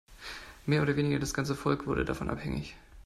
Mehr oder weniger das ganze Volk wurde davon abhängig.